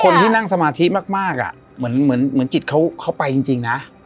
คนที่นั่งสมาธิมากเหมือนจิตเขาไปจริงนะ